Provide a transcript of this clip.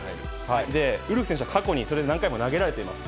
ウルフ選手は過去に何回も投げられています。